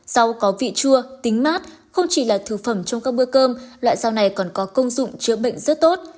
rau có vị chua tính mát không chỉ là thực phẩm trong các bữa cơm loại rau này còn có công dụng chữa bệnh rất tốt